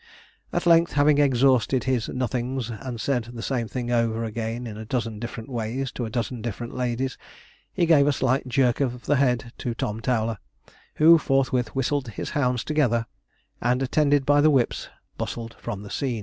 At length, having exhausted his 'nothings,' and said the same thing over again in a dozen different ways to a dozen different ladies, he gave a slight jerk of the head to Tom Towler, who forthwith whistled his hounds together, and attended by the whips, bustled from the scene.